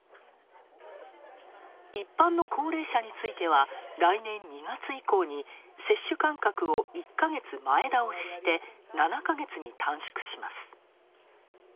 一般の高齢者については来年２月以降に接種間隔を１か月前倒しして７か月に短縮します。